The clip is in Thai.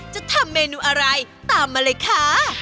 จะทำเมนูอะไรตามมาเลยค่ะ